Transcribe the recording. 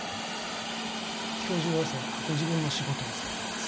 教授は朝はご自分の仕事をされています。